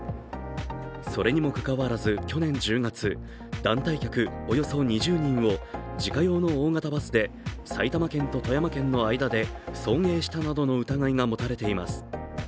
それにもかかわらず、去年１０月、団体客およそ２０人を自家用の大型バスで、埼玉県と富山県の間で送迎したなどの疑いが持たれています。